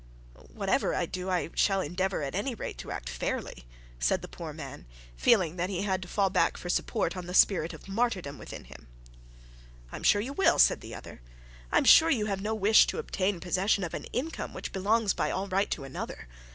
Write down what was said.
'Whatever I do, I shall endeavour at any rate to act fairly,' said the poor man, feeling that he had to fall back for support on the spirit of martyrdom within him. 'I am sure you will,' said the other. 'I am sure you have no wish to obtain possession of an income which belongs by all rights to another.